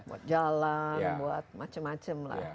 buat jalan buat macem macem lah